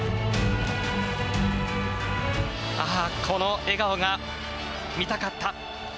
この笑顔が見たかった。